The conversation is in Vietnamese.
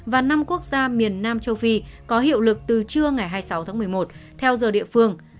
và năm quốc gia miền nam châu phi có hiệu lực từ trưa ngày hai mươi sáu tháng một mươi một theo giờ địa phương